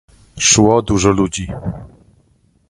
"Szło dużo ludzi..."